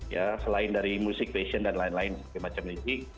ya selain dari musik fashion dan lain lain sebagainya